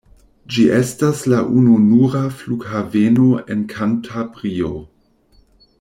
Ĝi estas la ununura flughaveno en Kantabrio.